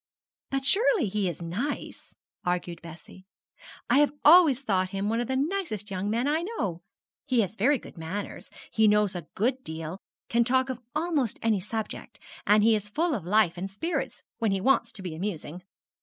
'But surely he is nice,' argued Bessie; 'I have always thought him one of the nicest young men I know. He has very good manners, he knows a good deal, can talk of almost any subject, and he is full of life and spirits, when he wants to be amusing.'